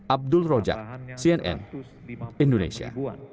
abdul rojak cnn indonesia